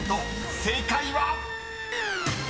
［正解は⁉］